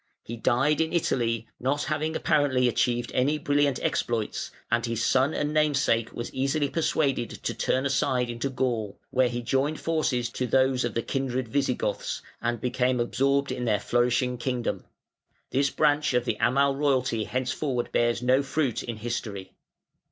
He died in Italy, not having apparently achieved any brilliant exploits, and his son and namesake was easily persuaded to turn aside into Gaul, where he joined his forces to those of the kindred Visigoths, and became absorbed in their flourishing kingdom. This branch of Amal royalty henceforward bears no fruit in history.